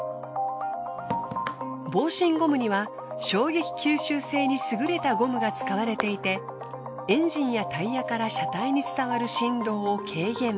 防振ゴムには衝撃吸収性に優れたゴムが使われていてエンジンやタイヤから車体に伝わる振動を軽減。